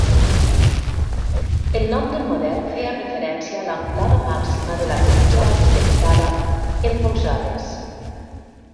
El nom del model feia referència a l'amplada màxima de la pel·lícula acceptada, en polzades.